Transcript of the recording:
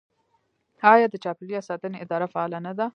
آیا د چاپیریال ساتنې اداره فعاله نه ده؟